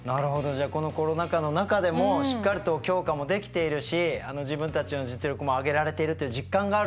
じゃあこのコロナ禍の中でもしっかりと強化もできているし自分たちの実力も上げられてるという実感があるということなんですね。